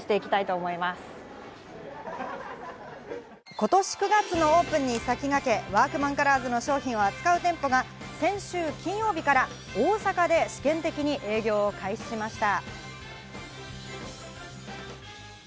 今年９月のオープンに先駆け、ワークマンカラーズの商品を扱う店舗が先週金曜日から大阪で試験的に営業を開始しました。